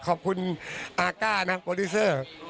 ขอบคุณอาก้านะโปรดิวเซอร์